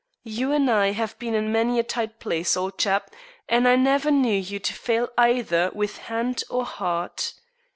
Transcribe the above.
You and I have been in many a tight place, old chap, and I never knew you to fail either with hand or heart.